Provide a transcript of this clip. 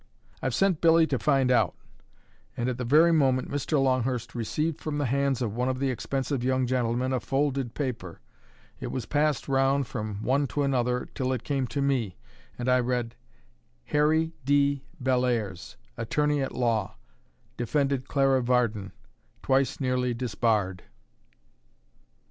"I've sent Billy to find out." And at the very moment Mr. Longhurst received from the hands of one of the expensive young gentlemen a folded paper. It was passed round from one to another till it came to me, and I read: "Harry D. Bellairs, Attorney at Law; defended Clara Varden; twice nearly disbarred."